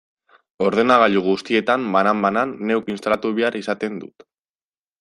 Ordenagailu guztietan, banan-banan, neuk instalatu behar izaten dut.